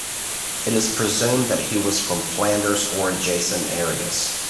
It is presumed that he was from Flanders or adjacent areas.